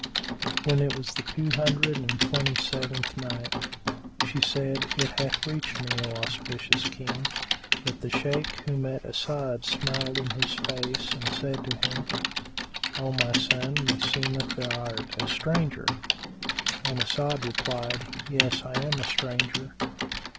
When it was the Two Hundred and Twenty seventh Night, She said, It hath reached me, O auspicious King, that the Shaykh who met As'ad smiled in his face and said to him, "O my son, meseemeth thou art a stranger?" and As'ad replied, "Yes, I am a stranger."